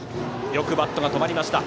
よくバットが止まりました。